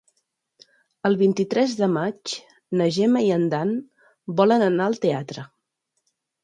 El vint-i-tres de maig na Gemma i en Dan volen anar al teatre.